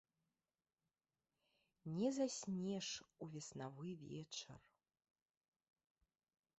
Не заснеш у веснавы вечар.